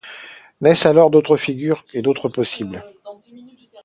Naissent alors d’autres figures et d’autres possibles.